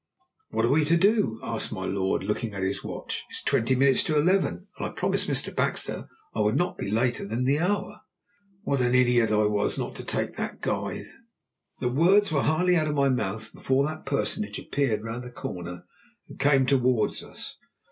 "What are we to do?" asked my lord, looking at his watch. "It's twenty minutes to eleven, and I promised Mr. Baxter I would not be later than the hour." "What an idiot I was not to take that guide!" The words were hardly out of my mouth before that personage appeared round the corner and came towards us.